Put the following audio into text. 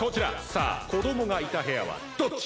さあこどもがいた部屋はどっち？